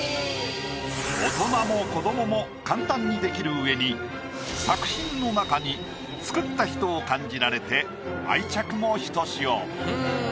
大人も子どもも簡単にできるうえに作品の中に作った人を感じられて愛着もひとしお。